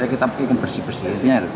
kita bikin bersih bersih